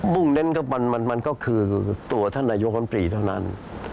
มุ่งเน้นมันก็คือตัวท่านนายโยคลันตรีเท่านั้น